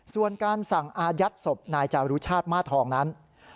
ส่วนการสั่งอายัดศพนายจารุชาติมาทองนั้น